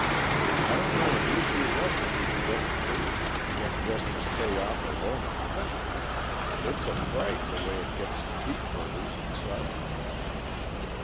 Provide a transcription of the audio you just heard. I don't know an easier recipe for going crazy than just to stay off alone and think. It's a fright the way it gets sheep herders, and such."